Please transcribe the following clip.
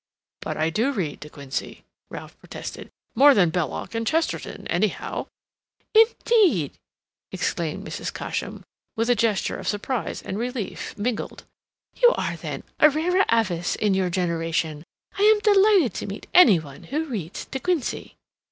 "But I do read De Quincey," Ralph protested, "more than Belloc and Chesterton, anyhow." "Indeed!" exclaimed Mrs. Cosham, with a gesture of surprise and relief mingled. "You are, then, a 'rara avis' in your generation. I am delighted to meet anyone who reads De Quincey."